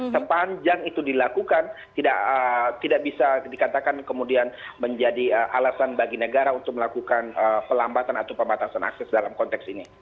sepanjang itu dilakukan tidak bisa dikatakan kemudian menjadi alasan bagi negara untuk melakukan pelambatan atau pembatasan akses dalam konteks ini